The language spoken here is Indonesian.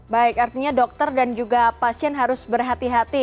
baik artinya dokter dan juga pasien harus berhati hati